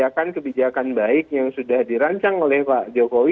hal hal yang kebijakan baik yang sudah dirancang oleh pak jokowi